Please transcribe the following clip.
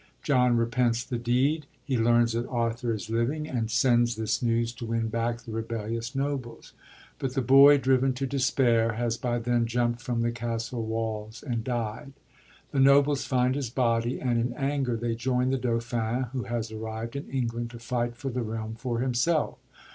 John repents the deed. He learns that Arthur is living, and sends this nevtrs to win back the rebellious nobles; but the boy, driven to despair, has by then jiimpt from the castle walls and died. The nobles find his body, and in anger they join the Dauphin who has arrived in England to fight for the realm for himself.